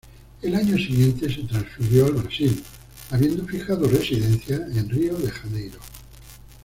El año siguiente se transfirió al Brasil, habiendo fijado residencia en Río de Janeiro.